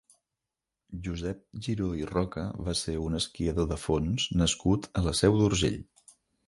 Josep Giró i Roca va ser un esquiador de fons nascut a la Seu d'Urgell.